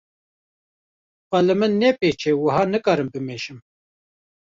Xwe li min nepêçe wiha nikarim bimeşim.